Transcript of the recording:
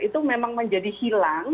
itu memang menjadi hilang